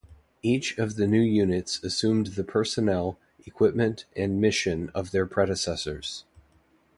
Each of the new units assumed the personnel, equipment, and mission of their predecessors.